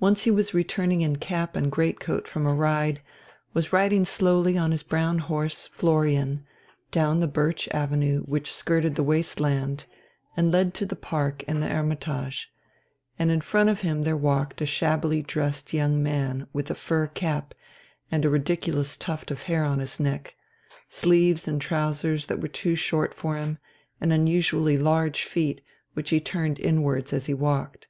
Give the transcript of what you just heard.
Once he was returning in cap and greatcoat from a ride, was riding slowly on his brown horse Florian, down the birch avenue which skirted the waste land and led to the park and the "Hermitage," and in front of him there walked a shabbily dressed young man with a fur cap and a ridiculous tuft of hair on his neck, sleeves and trousers that were too short for him, and unusually large feet which he turned inwards as he walked.